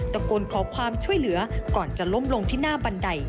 โกนขอความช่วยเหลือก่อนจะล้มลงที่หน้าบันได